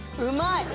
うまい！